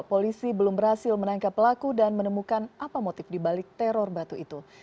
polisi belum berhasil menangkap pelaku dan menemukan apa motif dibalik teror batu itu